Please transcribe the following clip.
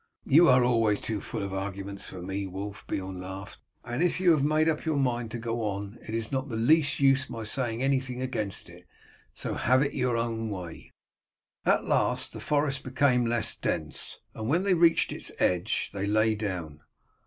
"You are always too full of arguments for me, Wulf," Beorn laughed; "and if you have made up your mind to go on, it is not of the least use my saying anything against it; so have your own way." At last the forest became less dense, and when they reached its edge they lay down.